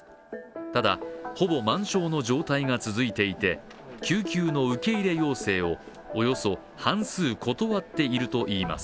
ただ、ほぼ満床の状態が続いていて救急の受け入れ要請をおよそ半数断っているといいます。